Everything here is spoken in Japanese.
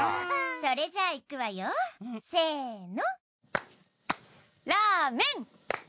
それじゃあいくわよせえの。